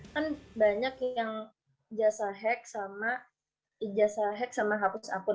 kan banyak yang jasa hack sama ijazah hack sama hapus akun